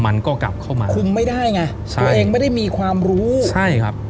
มันก็กลับเข้ามาคุมไม่ได้ไงใช่ตัวเองไม่ได้มีความรู้ใช่ครับ